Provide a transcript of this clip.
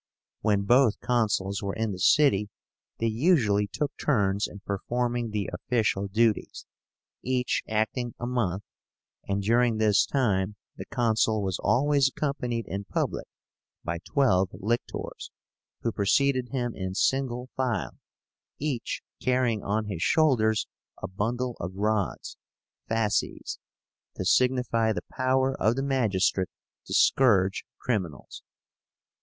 "When both Consuls were in the city, they usually took turns in performing the official duties, each acting a month; and during this time the Consul was always accompanied in public by twelve lictors, who preceded him in single file, each carrying on his shoulders a bundle of rods (fasces), to signify the power of the magistrate to scourge criminals.